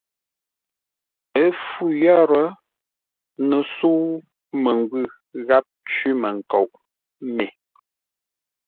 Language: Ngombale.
Ə́ fû yə́rə́, no sə̌u məngwʉ̂ gháp cwímənkoʼ me.